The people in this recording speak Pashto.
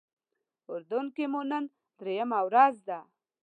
اردن کې مو نن درېیمه ورځ ده.